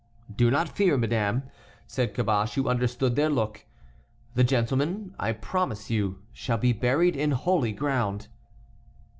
"Do not fear, madame," said Caboche, who understood their look, "the gentlemen, I promise you, shall be buried in holy ground."